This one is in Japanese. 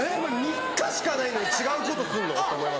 ３日しかないのに違うことすんの？と思いますもん。